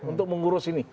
untuk mengurus ini